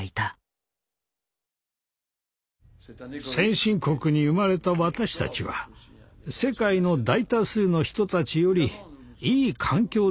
先進国に生まれた私たちは世界の大多数の人たちよりいい環境で暮らせています。